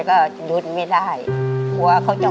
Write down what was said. ก็หยุดไม่ได้กว่าจะอด